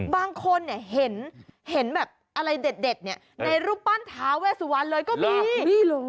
บางคนเห็นแบบอะไรเด็ดในรูปปั้นท้าเวสุวรรณเลยก็มี